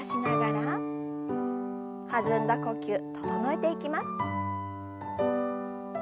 弾んだ呼吸整えていきます。